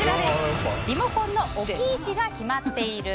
リモコンの置き位置が決まっている。